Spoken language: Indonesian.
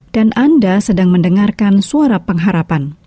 dan anda sedang mendengarkan suara pengharapan